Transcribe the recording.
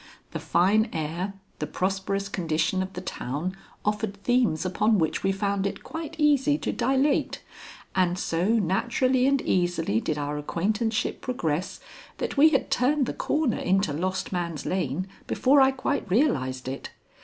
The fine air, the prosperous condition of the town offered themes upon which we found it quite easy to dilate, and so naturally and easily did our acquaintanceship progress that we had turned the corner into Lost Man's Lane before I quite realized it.